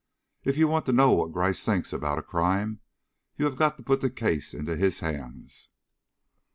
If you want to know what Gryce thinks about a crime, you have got to put the case into his hands."